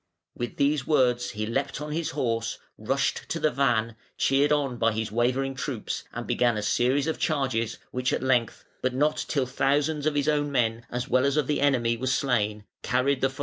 With these words he leapt on his horse, rushed to the van, cheered on his wavering troops, and began a series of charges, which at length, but not till thousands of his own men as well as of the enemy were slain, carried the fossatum of Odovacar.